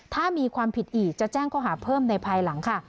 ถ้ามีความผิดอีกจะแจ้งข้อหาเพิ่มในภายหลังค่ะ